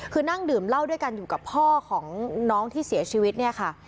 คือนั่งดื่มเหล้าด้วยกันอยู่กับพ่อของน้องที่เสียชีวิตเนี่ยค่ะ